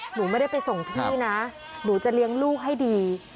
หนูไม่ได้ไปส่งพี่นะหนูจะเลี้ยงลูกให้ดี